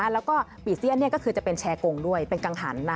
แล้วก็ปีเซียนก็คือจะเป็นแชร์กงด้วยเป็นกังหัน